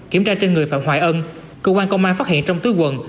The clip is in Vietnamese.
kiểm tra trên người phạm hoài ân cơ quan công an phát hiện trong tứ quần